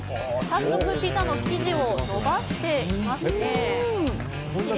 早速ピザの生地を伸ばしていますね。